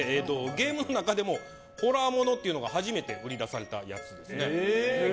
ゲームの中でもホラーものっていうのが初めて売り出されたやつです。